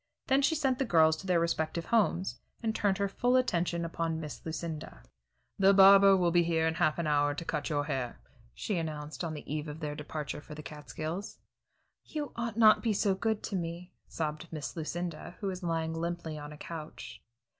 Then she sent the girls to their respective homes, and turned her full attention upon Miss Lucinda. "The barber will be here in half an hour to cut your hair," she announced on the eve of their departure for the Catskills. "You ought not to be so good to me!" sobbed Miss Lucinda, who was lying limply on a couch.